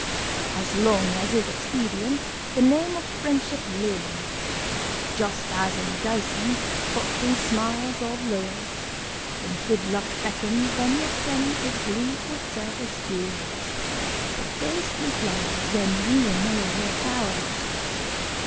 As long as is expedient, the name of friendship lives, Just as in dicing, Fortune smiles or lowers; When good luck beckons, then your friend his gleeful service gives But basely flies when ruin o'er you towers.